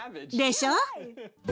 でしょ！